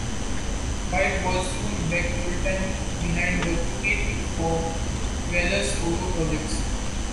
White was soon back full-time behind the kit for Weller's solo projects.